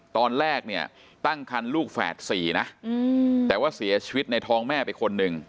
ตอนแรกเนี่ยตั้งคันลูกแฝดสี่นะแต่ว่าเสียชีวิตในท้องแม่ไปคนหนึ่ง